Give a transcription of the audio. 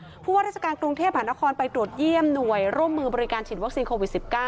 เพราะว่าราชการกรุงเทพหานครไปตรวจเยี่ยมหน่วยร่วมมือบริการฉีดวัคซีนโควิด๑๙